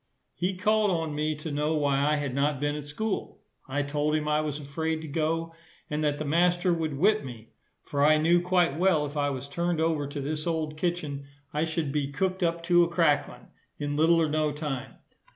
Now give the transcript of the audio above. He called on me to know why I had not been at school? I told him I was afraid to go, and that the master would whip me; for I knew quite well if I was turned over to this old Kitchen, I should be cooked up to a cracklin, in little or no time.